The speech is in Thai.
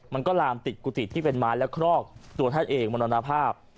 มันก็ลามติดกุฏิที่เป็นไม้และครอกตัวท่านเองมรณภาพ